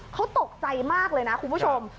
เขาตกใจมากเลยนะคุณผู้ชม